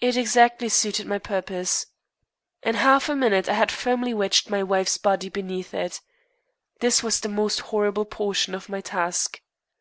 It exactly suited my purpose. In half a minute I had firmly wedged my wife's body beneath it. This was the most horrible portion of my task.